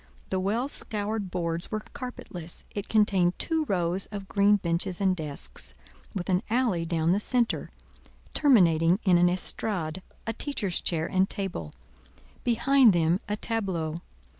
The well scoured boards were carpetless; it contained two rows of green benches and desks, with an alley down the centre, terminating in an estrade, a teacher's chair and table; behind them a tableau.